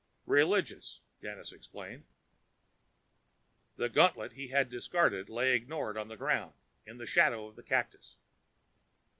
"Religious," Janus explained. The gauntlet he had discarded lay ignored on the ground, in the shadow of the cactus.